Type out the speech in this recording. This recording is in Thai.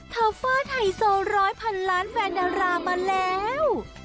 อเฟอร์ไฮโซร้อยพันล้านแฟนดารามาแล้ว